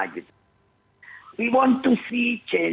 kita ingin melihat perubahan